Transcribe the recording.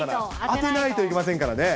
当てないといけませんからね。